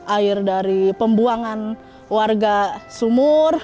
air dari pembuangan warga sumur